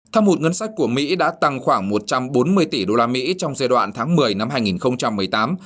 thâm hụt ngân sách của mỹ đã tăng khoảng một trăm bốn mươi tỷ usd trong giai đoạn tháng một mươi năm hai nghìn một mươi tám